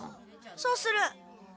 そうする。